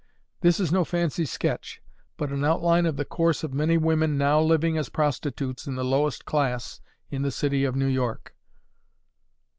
This is no fancy sketch, but an outline of the course of many women now living as prostitutes of the lowest class in the city of New York.